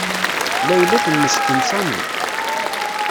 Layla temmesten Sami.